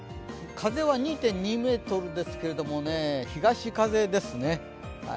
風は２．２メートルですけども、東風ですね。